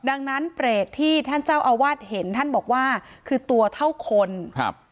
ดังนั้นเปรตที่ท่านเจ้าอาวาสเห็นท่านบอกว่าคือตัวเท่าคนครับ